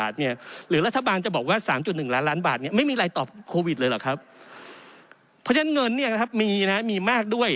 เพราะฉะนั้นเงินมีนะมีมากด้วย